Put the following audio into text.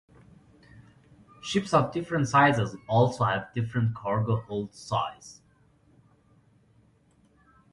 Ships of different sizes also have different cargo hold sizes.